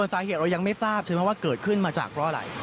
สาเหตุเรายังไม่ทราบใช่ไหมว่าเกิดขึ้นมาจากเพราะอะไร